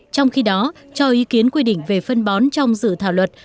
trong khi đó cho ý kiến quy định về phân bón trong dự thảo luật